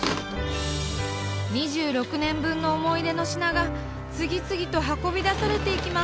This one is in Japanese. ２６年分の思い出の品が次々と運び出されていきます。